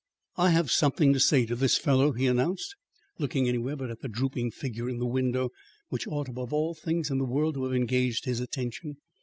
"I have something to say to this fellow," he announced, looking anywhere but at the drooping figure in the window which ought, above all things in the world, to have engaged his attention.